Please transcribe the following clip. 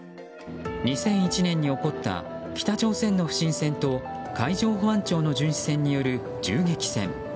２００１年に起こった北朝鮮の不審船と海上保安庁の巡視船による銃撃戦。